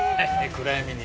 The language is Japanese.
暗闇に？